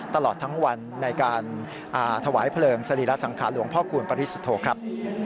ตลอดทั้งวันในการถวายเพลิงสรีระสังขารหลวงพ่อคูณปริสุทธโธครับ